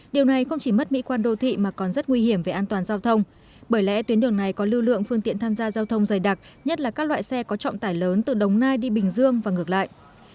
điều này không chỉ mất mỹ quan đô thị mà còn rất nguy hiểm về an toàn giao thông bởi lẽ tuyến đường này có lưu lượng phương tiện tham gia giao thông dày đặc nhất là các loại xe có trọng tải lớn từ đồng nai đi bình dương và ngược lại